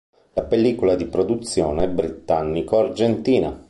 La pellicola è di produzione britannico-argentina.